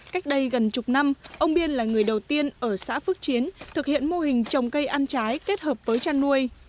cách đây gần chục năm ông biên là người đầu tiên ở xã phước chiến thực hiện mô hình trồng cây ăn trái kết hợp với chăn nuôi